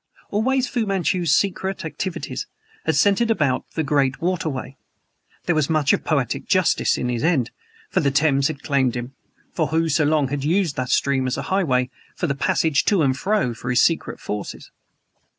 Always Fu Manchu's secret activities had centered about the great waterway. There was much of poetic justice in his end; for the Thames had claimed him, who so long had used the stream as a highway for the passage to and fro for his secret forces.